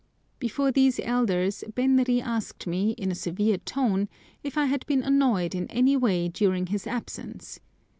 Before these elders Benri asked me, in a severe tone, if I had been annoyed in any way during his absence.